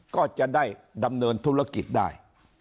ก็จะได้ดำเนินธุรกิจได้